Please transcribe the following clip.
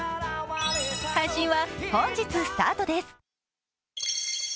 配信は本日スタートです。